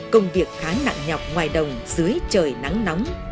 công việc khá nặng nhọc ngoài đồng dưới trời nắng nóng